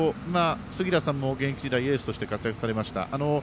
杉浦さんも現役時代エースとして活躍されました。